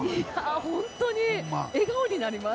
本当に、笑顔になります。